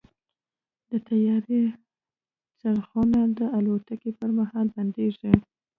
د طیارې څرخونه د الوتنې پر مهال بندېږي.